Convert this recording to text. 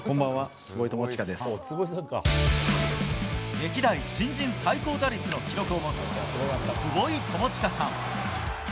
歴代新人最高打率の記録を持つ、坪井智哉さん。